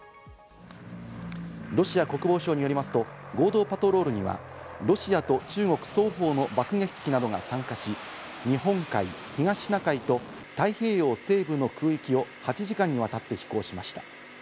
国防省によりますと、合同パトロールにはロシアと中国双方の爆撃機などが参加し、日本海、東シナ海と太平洋西部の空域を８時間にわたって飛行しました。